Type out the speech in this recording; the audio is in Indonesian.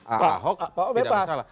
ahok tidak masalah